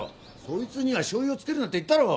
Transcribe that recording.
そいつにはしょう油をつけるなって言ったろ！